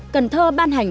cần thơ ban hành